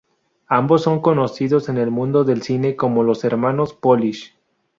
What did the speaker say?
Ambos son conocidos en el mundo del cine como los hermanos Polish.